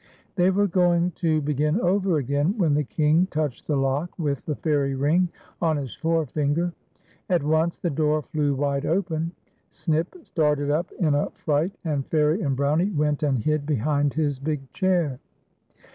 They were going to begin over again, when the King touched the lock with the fairy ring on his fore tinger. At once the door flew wide open, Snip started up in a FAIR IE AXn BROWME. 177 frijlit, and Fairic and Brownie went and hid behind liis big chair.